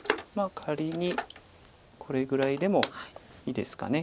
まあ仮にこれぐらいでもいいですか。